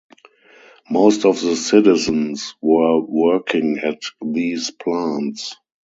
Most of the citizens were working at these plants.